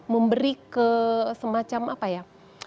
memberi ke semacam apa ya